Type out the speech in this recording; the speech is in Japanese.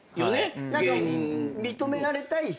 何か認められたいし。